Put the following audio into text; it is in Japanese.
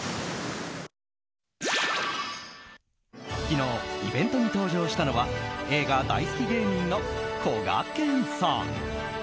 昨日、イベントに登場したのは映画大好き芸人のこがけんさん。